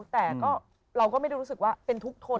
แต่เราก็ไม่ได้รู้สึกว่าเป็นทุกข์ทน